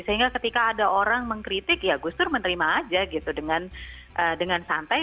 sehingga ketika ada orang mengkritik ya gus dur menerima aja gitu dengan santai